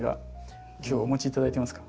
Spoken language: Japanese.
今日お持ちいただいてますか？